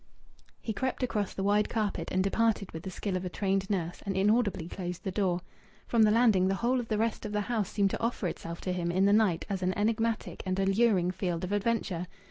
He crept across the wide carpet and departed with the skill of a trained nurse, and inaudibly closed the door. From the landing the whole of the rest of the house seemed to offer itself to him in the night as an enigmatic and alluring field of adventure